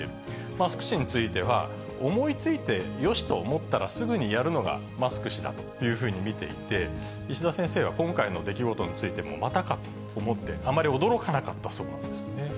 マスク氏については、思いついてよしと思ったらすぐにやるのがマスク氏だというふうに見ていて、石田先生は今回の出来事についても、またかと思って、あまり驚かなかったそうなんですね。